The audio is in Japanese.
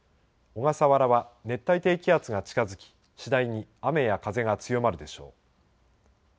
小笠原は熱帯低気圧が近づき次第に雨や風が強まるでしょう。